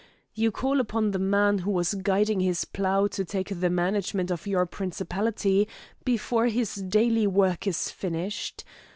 You call upon the man who was guiding his plough to take the management of your principality before his daily work is finished.